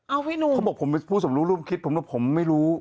เอ้าพี่หนุ่มเขาบอกผมพูดสมรูปคิดผมบอกผมไม่รู้